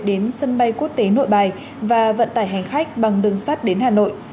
đến sân bay quốc tế nội bài và vận tải hành khách bằng đường sắt đến hà nội